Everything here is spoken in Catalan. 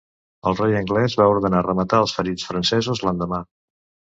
El rei anglès va ordenar rematar els ferits francesos l'endemà.